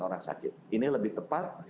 orang sakit ini lebih tepat